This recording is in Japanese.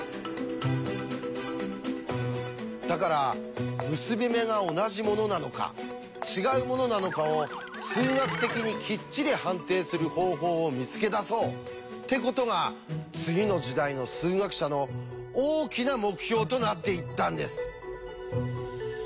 だから結び目が同じものなのか違うものなのかを数学的にきっちり判定する方法を見つけ出そうってことが次の時代の数学者の大きな目標となっていったんです。